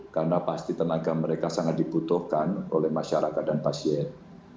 karena pasti tenaga mereka sangat dibutuhkan oleh masyarakat dan pasien